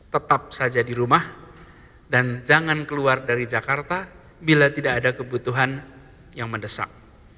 tetap saja di rumah dan jangan keluar dari jakarta bila tidak ada kebutuhan yang mendesak